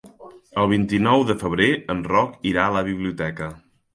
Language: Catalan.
El vint-i-nou de febrer en Roc irà a la biblioteca.